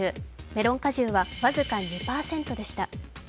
メロン果汁は、僅か２％でした。